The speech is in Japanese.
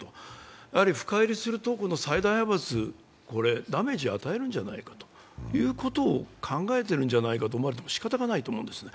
深入りすると最大派閥にダメージを与えるんじゃないかということを考えてるんじゃないかと思われても仕方がないと思うんですね。